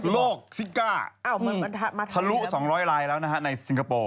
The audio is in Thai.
ซิก้าทะลุ๒๐๐ลายแล้วนะฮะในสิงคโปร์